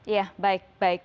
ya baik baik